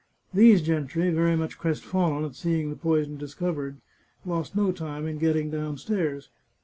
These gentry, very much crestfallen at seeing the poison discovered, lost no time in getting downstairs.